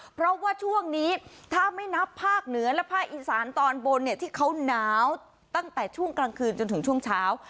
เพราะว่าช่วงนี้ถ้าไม่นับภาคเหนือและภาคอีสานตอนบนเนี่ยที่เขาหนาวตั้งแต่ช่วงกลางคืนจนถึงช่วงเช้า